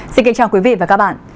xin kính chào quý vị và các bạn